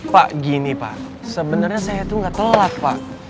pak gini pak sebenarnya saya tuh gak telat pak